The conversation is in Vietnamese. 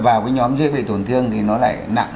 vào cái nhóm dưới về tổn thương thì nó lại nặng